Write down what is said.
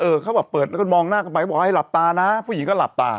เขาบอกเขาแบบเปิดแล้วก็มองหน้ากันไปบอกให้หลับตานะผู้หญิงก็หลับตา